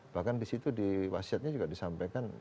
bahkan di situ di wasiatnya juga disampaikan